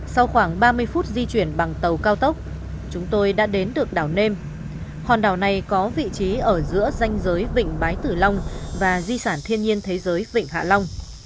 sau khoảng ba mươi phút di chuyển bằng tàu cao tốc chúng tôi đã đến được đảo nêm hòn đảo này có vị trí ở giữa danh giới vịnh bái tử long và di sản thiên nhiên thế giới vịnh hạ long